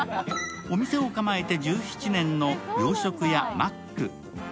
お店を構えて１７年の洋食屋マック。